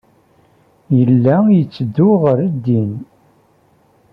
Yella yetteddu ɣer din.